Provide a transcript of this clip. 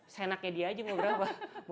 seenaknya dia aja mau berapa